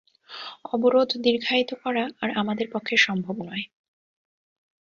অবরোধ দীর্ঘায়িত করা আর আমাদের পক্ষে সম্ভব নয়।